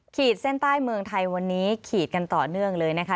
ขีดเส้นใต้เมืองไทยวันนี้ขีดกันต่อเนื่องเลยนะคะ